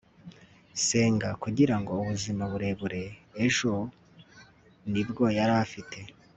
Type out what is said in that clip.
senga kugirango ubuzima burebure. ejo ni bwo yari afite